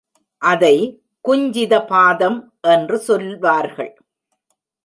அதை குஞ்சித பாதம் என்று சொல்வார்கள்.